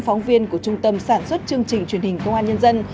phóng viên của trung tâm sản xuất chương trình truyền hình công an nhân dân